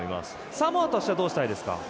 サモアとしてはどうしたいですか？